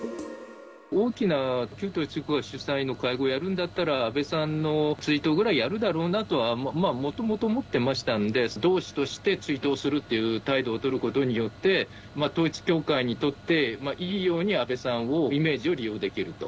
大きな旧統一教会主催の会合やるんだったら、安倍さんの追悼ぐらいやるだろうなとは、もともと思ってましたんで、同志として追悼するっていう態度を取ることによって、統一教会にとっていいように安倍さんを、イメージを利用できると。